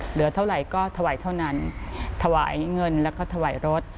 เหลือเท่าไหร่ก็ถวายเท่านั้นถวายเงินแล้วก็ถวายรถ